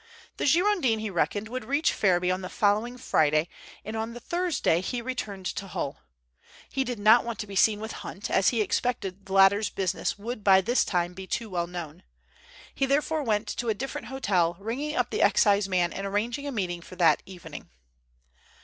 The Girondin, he reckoned, would reach Ferriby on the following Friday, and on the Thursday he returned to Hull. He did not want to be seen with Hunt, as he expected the latter's business would by this time be too well known. He therefore went to a different hotel, ringing up the Excise man and arranging a meeting for that evening.